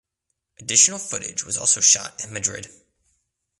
Additional footage was also shot in Madrid.